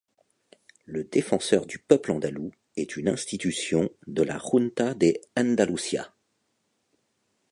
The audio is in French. Le Défenseur du peuple andalou est une institution de la Junta de Andalucía.